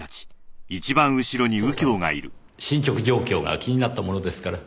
捜査の進捗状況が気になったものですから。